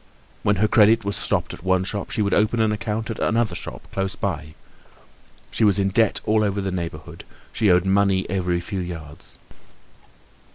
When her credit was stopped at one shop, she would open an account at some other shop close by. She was in debt all over the neighborhood, she owed money every few yards.